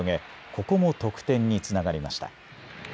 ここも得点につながりました。